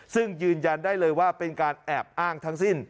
ซึ่งยืนยันได้เลยว่าเป็นการแอบอ้างทั้งสิ้น